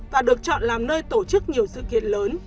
và được chọn làm nơi tổ chức nhiều sự kiện lớn